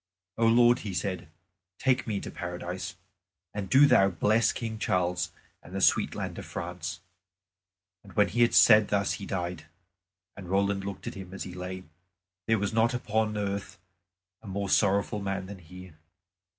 "O Lord," he said, "take me into Paradise. And do Thou bless King Charles and the sweet land of France." And when he had said thus he died. And Roland looked at him as he lay. There was not upon earth a more sorrowful man than he.